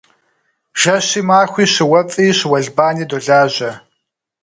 Жэщи махуи щыуэфӏи щыуэлбани долажьэ.